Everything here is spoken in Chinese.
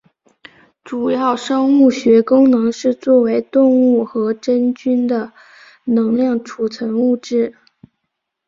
主要生物学功能是作为动物和真菌的能量储存物质。